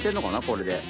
これで。